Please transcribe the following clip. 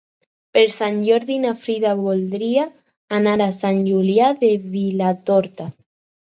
Per Sant Jordi na Frida voldria anar a Sant Julià de Vilatorta.